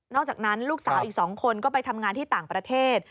จากนั้นลูกสาวอีก๒คนก็ไปทำงานที่ต่างประเทศ